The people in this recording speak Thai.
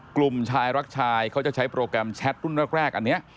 กลุ่มชายรักชายเขาจะใช้โปรแกรมแชทรุ่นแรกอันนี้